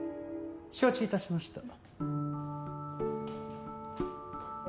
承知致しました。